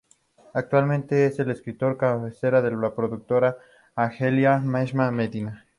Actualmente es el escritor de cabecera de la productora Angelli Nesma Medina.